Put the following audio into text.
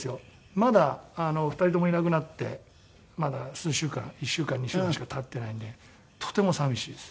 まだ２人ともいなくなってまだ数週間１週間２週間しか経ってないのでとても寂しいです。